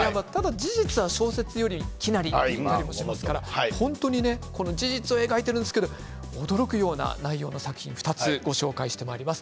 事実は小説より奇なりといいますから事実を描いているんですけれども驚くような内容の作品を２つご紹介していきます。